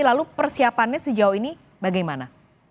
lalu persiapannya sejauh ini bagaimana